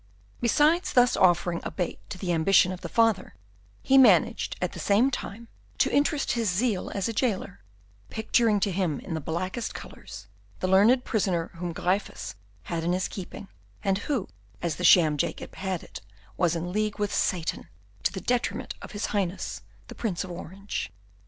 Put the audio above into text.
Besides thus offering a bait to the ambition of the father, he managed, at the same time, to interest his zeal as a jailer, picturing to him in the blackest colours the learned prisoner whom Gryphus had in his keeping, and who, as the sham Jacob had it, was in league with Satan, to the detriment of his Highness the Prince of Orange.